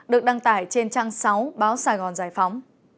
được đăng tải trên trang sáu báo sài gòn giải phóng